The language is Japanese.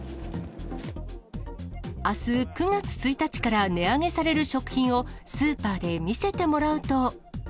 あす９月１日から値上げされる食品をスーパーで見せてもらうと。